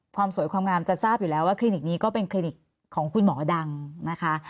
สวยความงามจะทราบอยู่แล้วว่าคลินิกนี้ก็เป็นคลินิกของคุณหมอดังนะคะ